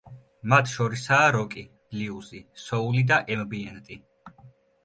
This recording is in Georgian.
მათ შორისაა როკი, ბლიუზი, სოული და ემბიენტი.